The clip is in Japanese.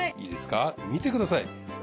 いいですか見てください。